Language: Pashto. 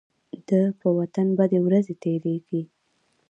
د په وطن بدې ورځې تيريږي.